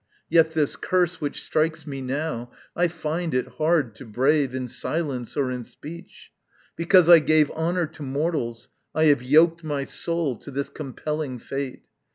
Yet this curse Which strikes me now, I find it hard to brave In silence or in speech. Because I gave Honour to mortals, I have yoked my soul To this compelling fate.